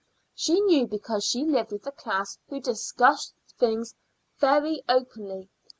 She knew because she lived with the class who discussed such things very openly.